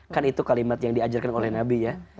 kan itu kalimat yang diajarkan oleh nabi ya